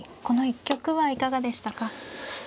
この一局はいかがでしたか。